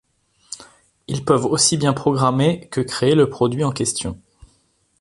Ils peuvent aussi bien programmer que créer le produit en question.